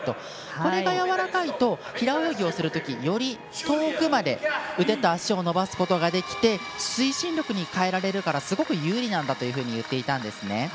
ここがやわらかいと平泳ぎをするとき、より遠くまで腕と足を伸ばすことができて推進力に変えられるからすごく有利なんだといっていたんですね。